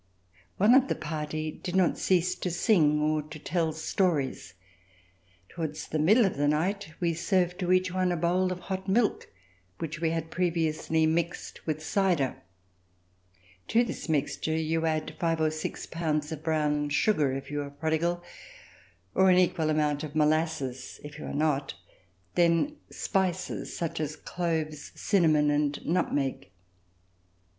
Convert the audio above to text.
One of the party did not cease to sing or to tell stories. Towards the middle of the night we served to each one a bowl of hot milk which we had previously mixed with cider. To this mixture you add five or six pounds of brown sugar, if you are prodigal, or an equal amount of molasses, if you are not, then spices, such as cloves, cinnamon and nutmeg.